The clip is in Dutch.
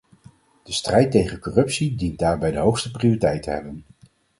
De strijd tegen corruptie dient daarbij de hoogste prioriteit te hebben.